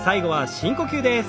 深呼吸です。